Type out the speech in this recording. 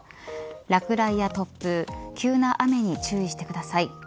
落雷や突風、急な雨に注意してください。